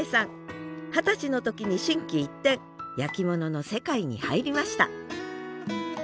二十歳の時に心機一転焼き物の世界に入りました